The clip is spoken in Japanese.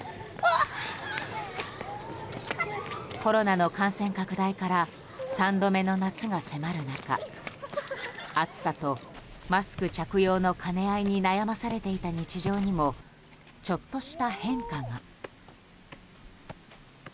コロナの感染拡大から３度目の夏が迫る中暑さとマスク着用の兼ね合いに悩まされていた日常にもちょっとした変化が。